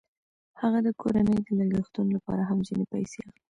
هغه د کورنۍ د لګښتونو لپاره هم ځینې پیسې اخلي